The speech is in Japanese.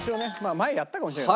前やったかもしれない。